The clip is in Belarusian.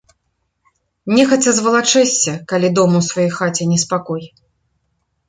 Нехаця звалачэшся, калі дома ў сваёй хаце неспакой.